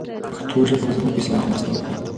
پښتو ژبه به زموږ په اصلاح کې مرسته وکړي.